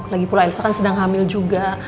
lagipula elsa kan sedang hamil juga